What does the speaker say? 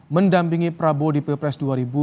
mendampingi prabowo di pppres dua ribu dua puluh empat